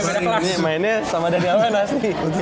mainnya sama daniel wenas nih